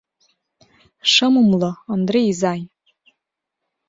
— Шым умыло, Ондре изай.